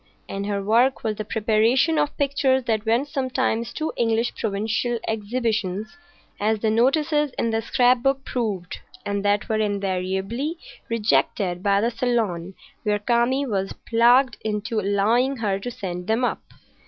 And her work was the preparation of pictures that went sometimes to English provincial exhibitions, as the notices in the scrap book proved, and that were invariably rejected by the Salon when Kami was plagued into allowing her to send them up.